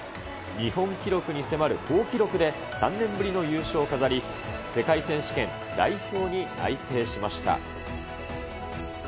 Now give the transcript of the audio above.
日本記録に迫る好記録で、３年ぶりの優勝を飾り、世界選手権代表に内定しました。